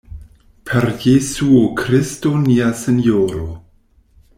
Per Jesuo Kristo nia Sinjoro.